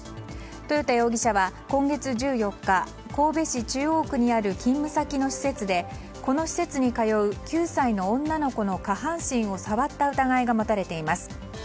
豊田容疑者は今月１４日神戸市中央区にある勤務先の施設でこの施設に通う９歳の女の子の下半身を触った疑いが持たれています。